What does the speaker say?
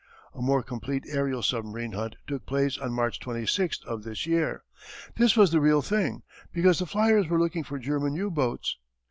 A more complete aërial submarine hunt took place on March 26th of this year. This was the real thing, because the fliers were looking for German U boats.